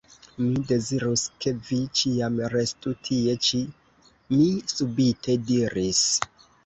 Mi dezirus, ke vi ĉiam restu tie ĉi, mi subite diris.